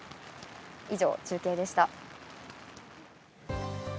以上、中継でした。